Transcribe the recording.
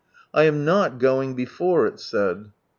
" I am not going before," It said.